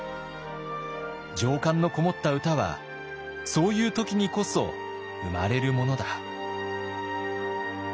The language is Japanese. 情感のこもった歌はそういう時にこそ生まれるものだ」。